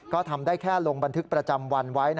ก็ทำได้แค่ลงบันทึกประจำวันไว้